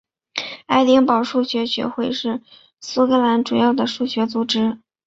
爱丁堡数学学会是苏格兰主要的数学组织。